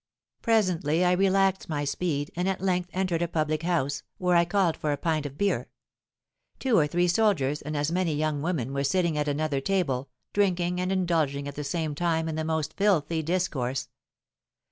"Presently I relaxed my speed, and at length entered a public house, where I called for a pint of beer. Two or three soldiers and as many young women were sitting at another table, drinking, and indulging at the same time in the most filthy discourse.